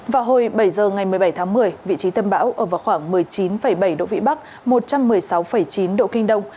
vào hồi bảy giờ ngày một mươi bảy tháng một mươi vị trí tâm bão ở vào khoảng một mươi chín bảy độ vĩ bắc một trăm một mươi sáu chín độ kinh đông